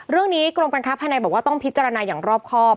เรื่องนี้กรมการค้าภายในบอกว่าต้องพิจารณาอย่างรอบครอบ